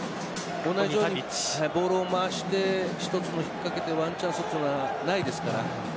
ボールを回して一つ引っ掛けてワンチャンスというのはないですから。